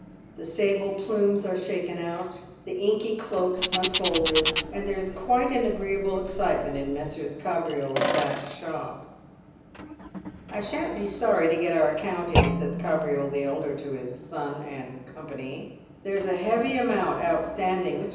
The sable plumes are shaken out, the inky cloaks unfolded, and there is quite an agreeable excitement in Messrs. Kabriole's back shop. " I shan't be soiTy to get our account in," says Kabriole the elder to his Son and Co. " There's a heavy amount outstanding. Mr.